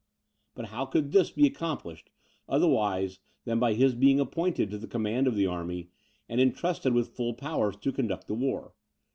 But how could this be accomplished, otherwise than by his being appointed to the command of the army, and entrusted with full powers to conduct the war.